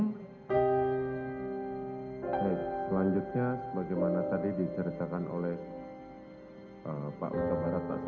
oke selanjutnya bagaimana tadi diceritakan oleh pak utabarat pak samburu utabarat ya